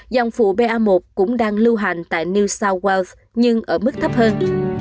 dòng phụ ba một cũng đang lưu hành tại new south wales nhưng ở mức thấp hơn